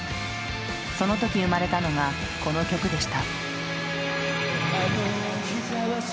その時生まれたのがこの曲でした。